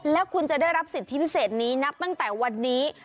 แล้วคุณจะได้รับสิทธิพิเศษนี้นับตั้งแต่วันนี้